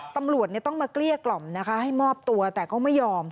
ตำรวจต้องมาเกลี้ยกล่อมนะคะให้มอบตัวแต่ก็ไม่ยอม